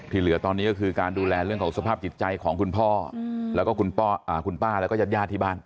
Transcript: เหลือตอนนี้ก็คือการดูแลเรื่องของสภาพจิตใจของคุณพ่อแล้วก็คุณป้าแล้วก็ญาติญาติที่บ้าน